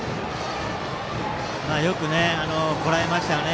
よくこらえましたね。